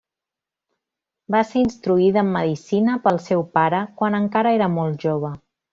Va ser instruïda en medicina pel seu pare quan encara era molt jove.